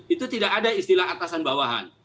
itu tidak ada istilah atasan bawahan